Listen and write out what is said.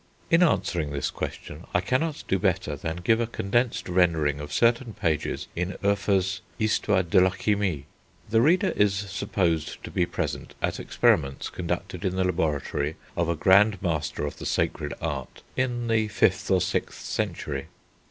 In answering this question, I cannot do better than give a condensed rendering of certain pages in Hoefer's Histoire de la Chimie. The reader is supposed to be present at experiments conducted in the laboratory of a Grand Master of the Sacred Art in the 5th or 6th century.